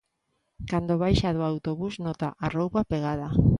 Cando baixa do autobús nota a roupa apegada.